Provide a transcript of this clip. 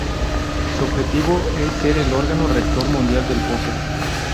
Su objetivo es ser el órgano rector mundial del póquer.